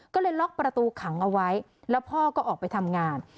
ก็เลยล็อกประตูขังเอาไว้แล้วพ่อก็ออกไปทำงาน